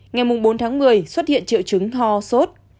ngày bốn tháng một mươi xuất hiện triệu chứng ho sốt